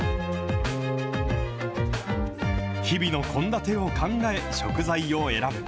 日々の献立を考え、食材を選ぶ。